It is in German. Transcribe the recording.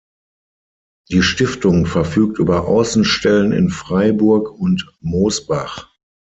Die Stiftung verfügt über Außenstellen in Freiburg und Mosbach.